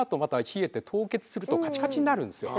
冷えて凍結するとカチカチになるんですよ。